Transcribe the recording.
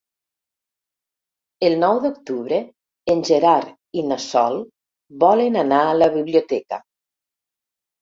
El nou d'octubre en Gerard i na Sol volen anar a la biblioteca.